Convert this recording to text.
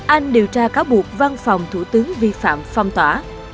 anh điều tra cáo buộc văn phòng thủ tướng vi phạm phong tỏa